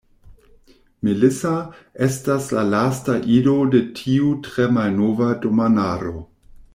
Melissa estas la lasta ido de tiu tre malnova domanaro.